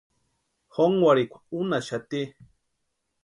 Jónkwarhikwa únhaxati.